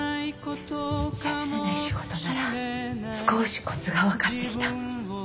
しゃべらない仕事なら少しコツが分かってきた。